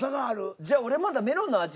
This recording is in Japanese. じゃ俺まだメロンの味